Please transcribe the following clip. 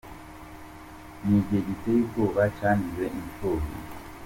Ni gihe giteye ubwoba cyangize imfubyi.